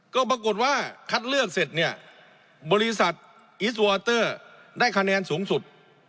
ก็ปรากฏว่าคัดเลือกเสร็จเนี่ยบริษัทอิสวออเตอร์ได้คะแนนสูงสุด